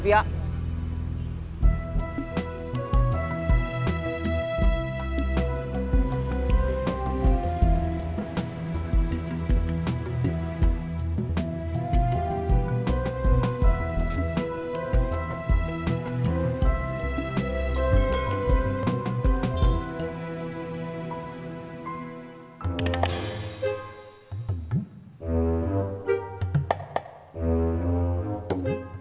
terima kasih tuhan